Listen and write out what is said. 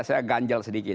saya ganjal sedikit